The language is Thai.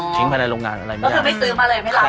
ทิ้งไปในโรงงานอะไรไม่ได้แล้วคือไม่ซื้อมาเลยไม่รับเลย